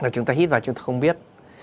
chúng ta hít vào chúng ta không biết